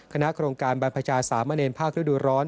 คณะโครงการบรรพชาสามเณรภาคฤดูร้อน